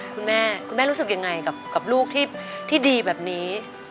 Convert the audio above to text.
คุณแม่คุณแม่รู้สึกยังไงกับลูกที่ดีแบบนี้